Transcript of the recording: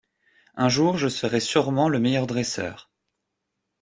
Un jour je serai surement le meilleur dresseur.